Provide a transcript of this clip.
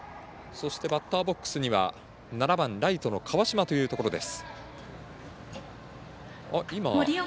そして、バッターボックスには７番、ライトの川島というところです。